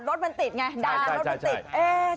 รถมันติดไงด่ารถมันติด